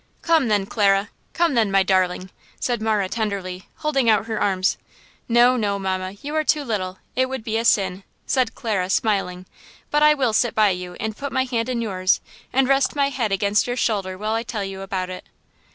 "Come, then Clara! Come, then, my darling," said Marah, tenderly, holding out her arms. "No, no, mamma; you are too little; it would be a sin!" said Clara, smiling; "but I will sit by you and put my hand in yours and rest my head against your shoulder while I tell you all about it."